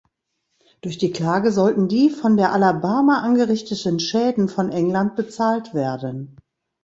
Durch die Klage sollten die von der "Alabama" angerichteten Schäden von England bezahlt werden.